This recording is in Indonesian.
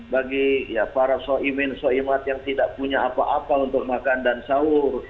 bagi para soimin soimat yang tidak punya apa apa untuk makan dan sahur